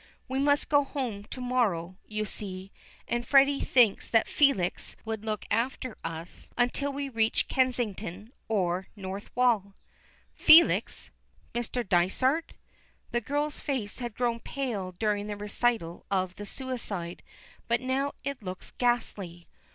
"We must go home to morrow, you see; and Freddy thinks that Felix would look after us until we reached Kensington or North Wall." "Felix Mr. Dysart?" The girl's face had grown pale during the recital of the suicide, but now it looks ghastly.